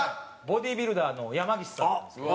ボディビルダーの山岸さんなんですけど。